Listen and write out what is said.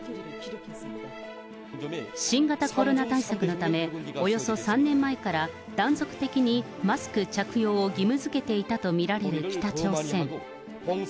新型コロナ対策のため、およそ３年前から断続的にマスク着用を義務づけていたと見られる北朝鮮。